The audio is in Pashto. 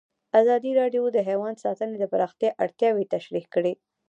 ازادي راډیو د حیوان ساتنه د پراختیا اړتیاوې تشریح کړي.